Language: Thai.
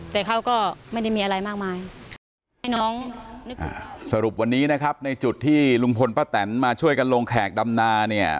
แต่เขาก็ไม่ได้มีอะไรมากมายให้น้องสรุปวันนี้นะครับในจุดที่ลุงพลป้าแตนมาช่วยกันลงแขกดำนาเนี่ย